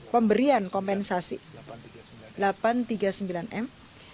pemberian kompensasi delapan ratus tiga puluh sembilan m